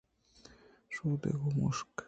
شُودگ ءُ مُشگ